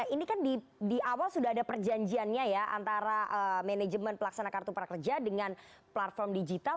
ini kan di awal sudah ada perjanjiannya ya antara manajemen pelaksana kartu prakerja dengan platform digital